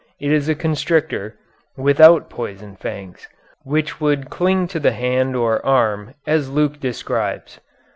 It is a constrictor, without poison fangs, which would cling to the hand or arm as Luke describes.